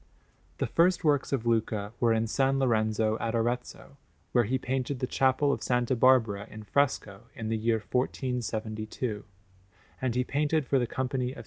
The first works of Luca were in S. Lorenzo at Arezzo, where he painted the Chapel of S. Barbara in fresco in the year 1472; and he painted for the Company of S.